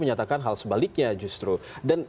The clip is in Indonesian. menyatakan hal sebaliknya justru dan